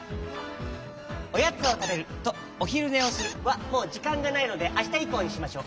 おやつをたべるとおひるねをするはもうじかんがないのであしたいこうにしましょう。